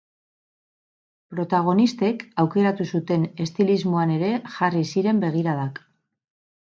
Protagonistek aukeratu zuten estilismoan ere jarri ziren begiradak.